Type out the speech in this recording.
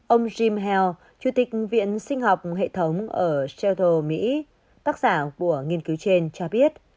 ông jim health chủ tịch viện sinh học hệ thống ở celtal mỹ tác giả của nghiên cứu trên cho biết